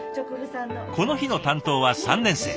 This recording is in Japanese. この日の担当は３年生。